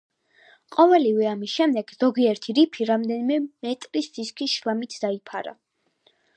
ყოველივე ამის შემდეგ, ზოგიერთი რიფი რამდენიმე მეტრის სისქის შლამით დაიფარა.